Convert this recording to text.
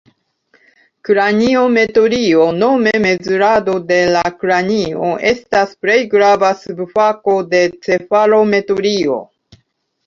Kraniometrio, nome mezurado de la kranio, estas plej grava subfako de cefalometrio.